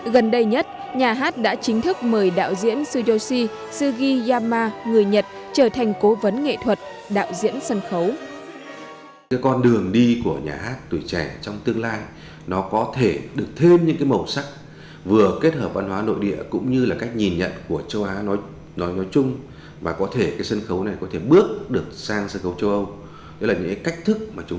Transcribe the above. gần đây nhất nhà hát đã chính thức mời đạo diễn tsuyoshi sugiyama người nhật trở thành cố vấn nghệ thuật đạo diễn sân khấu